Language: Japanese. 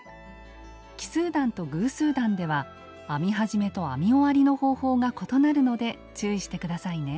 奇数段と偶数段では編み始めと編み終わりの方法が異なるので注意して下さいね。